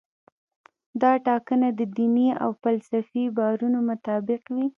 دا ټاکنه د دیني او فلسفي باورونو مطابق وي.